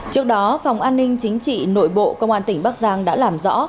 trước đó phòng an ninh chính trị nội bộ công an tỉnh bắc giang đã làm rõ